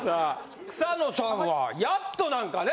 草野さんはやっと何かね。